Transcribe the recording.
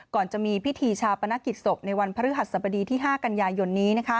ก่อนจะมีพิธีชาปนกิจศพในวันพฤหัสสบดีที่๕กันยายนนี้